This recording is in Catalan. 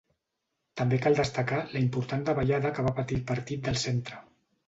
També cal destacar la important davallada que va patir el Partit del Centre.